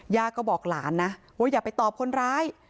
ก็บอกหลานนะว่าอย่าไปตอบคนร้าย